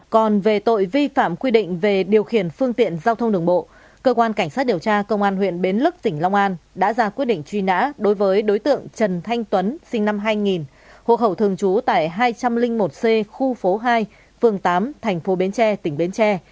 còn về tội vi phạm quy định về điều khiển phương tiện giao thông đường bộ cơ quan cảnh sát điều tra công an huyện bến lức tỉnh long an đã ra quyết định truy nã đối với đối tượng trần thanh tuấn sinh năm hai nghìn hộ khẩu thường trú tại hai trăm linh một c khu phố hai phường tám thành phố bến tre tỉnh bến tre